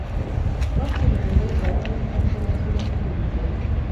مخکې له ډوډۍ خوړلو څخه خپل لاسونه پرېمینځئ